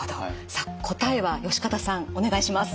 さあ答えは善方さんお願いします。